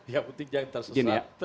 yang penting jangan tersesat